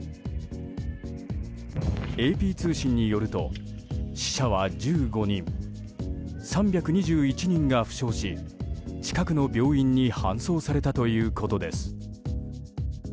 ＡＰ通信によると死者は１５人３２１人が負傷し近くの病院に搬送されたということです。